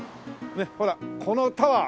ねっほらこのタワー。